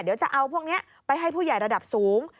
เดี๋ยวจะเอาพวกนี้ไปให้ผู้ใหญ่ระดับสูง